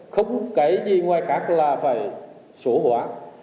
không cái gì ngoài khác là phải sổ hóa